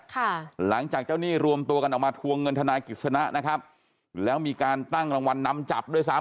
หลังจากเจ้าหนี้รวมตัวกันออกมาทวงเงินทนายกิจสนะนะครับแล้วมีการตั้งรางวัลนำจับด้วยซ้ำ